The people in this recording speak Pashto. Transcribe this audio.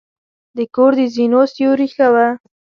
د کور د زینو سیوري ښه وه.